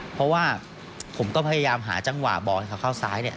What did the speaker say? เพราะว่าผมก็พยายามหาจังหวะบอกให้เขาเข้าซ้ายเนี่ย